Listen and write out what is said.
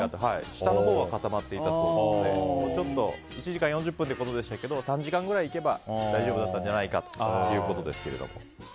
下のほうは固まっていたそうなので１時間４０分ということでしたが３時間ぐらい行けば大丈夫だったんじゃないかということですけど。